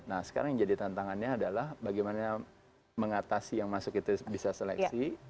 nah sekarang yang jadi tantangannya adalah bagaimana mengatasi yang masuk itu bisa seleksi